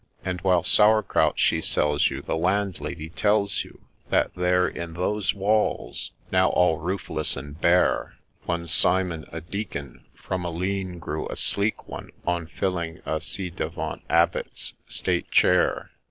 And, while ' sour kraut ' she sells you, the Landlady tells you That there, in those walls, now all roofless and bare, One Simon, a Deacon, from a lean grew a sleek one, On filling a ci devant Abbot's state chair.